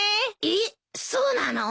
えっそうなの？